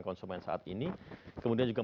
konsumen saat ini kemudian juga